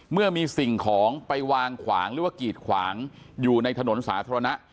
เมื่อมีสิ่งของไปวางขวางหรือว่ากีดขวางอยู่ในถนนสาธารณะ